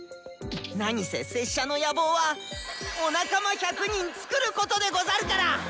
何せ拙者の野望は「お仲間１００人つくる」ことでござるから！